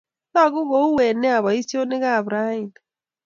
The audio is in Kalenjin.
Tagu kouen nia poisyonik ap raini